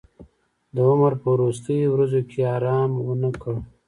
د عمر په وروستیو ورځو کې ارام ونه کړ.